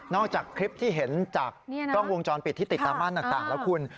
จากคลิปที่เห็นจากกล้องวงจรปิดที่ติดตามบ้านต่างแล้วคุณ